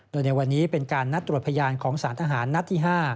โดยในวันนี้เป็นการนัดตรวจพยานของสารทหารนัดที่๕